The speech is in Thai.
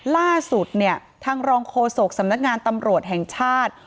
ล่าสุดเนี่ยทางรองโฆษกสำนักงานตำรวจแห่งชาติ